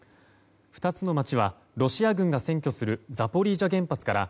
２つの町はロシア軍が占拠するザポリージャ原発から